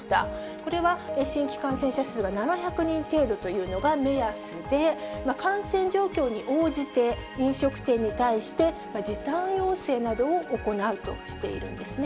これは、新規感染者数が７００人程度というのが目安で、感染状況に応じて、飲食店に対して、時短要請などを行うとしているんですね。